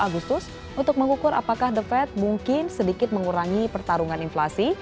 agustus untuk mengukur apakah the fed mungkin sedikit mengurangi pertarungan inflasi